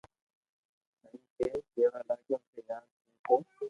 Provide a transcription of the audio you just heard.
ھين ڪي ڪيوا لاگيو ڪي يار تو تو